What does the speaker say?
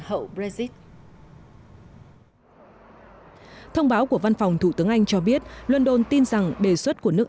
hậu brexit thông báo của văn phòng thủ tướng anh cho biết london tin rằng đề xuất của nước